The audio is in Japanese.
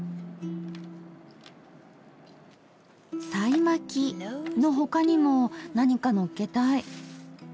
さいまきの他にも何か載っけたい。